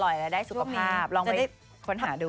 แล้วได้สุขภาพลองไปค้นหาดู